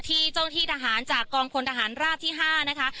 ที่เจ้าที่ทหารจากกองพลทหารราบที่๕นะคะ